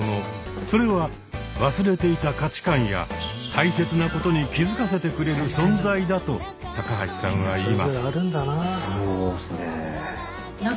それは忘れていた価値観や大切なことに気づかせてくれる存在だと高橋さんは言います。